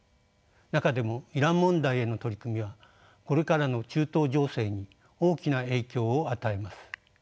中でもイラン問題への取り組みはこれからの中東情勢に大きな影響を与えます。